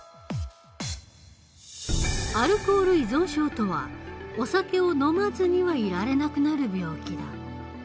アルコール依存症とはお酒を飲まずにはいられなくなる病気だ。